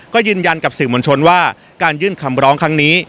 ก็ยืนยันกับสื่อมวลชนว่าการยื่นคำร้องครั้งนี้